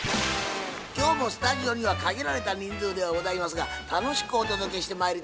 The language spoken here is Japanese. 今日もスタジオには限られた人数ではございますが楽しくお届けしてまいりたいと思います。